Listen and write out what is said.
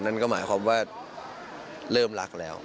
นั่นก็หมายความว่าเริ่มรักแล้ว